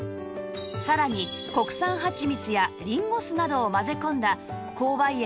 さらに国産はちみつやリンゴ酢などを混ぜ込んだ紅梅園